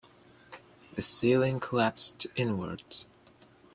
The ceiling collapsed inwards.